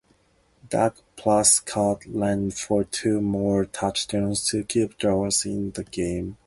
Dak Prescott ran for two more touchdowns to keep Dallas in the game.